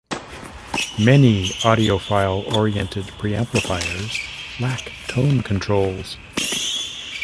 Many audiophile-oriented preamplifiers lack tone controls.